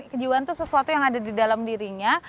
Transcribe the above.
kejiwaan itu sesuatu yang ada di dalam dirinya